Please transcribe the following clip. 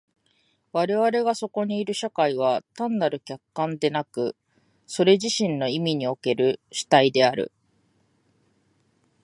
我々がそこにいる社会は単なる客観でなく、それ自身の意味における主体である。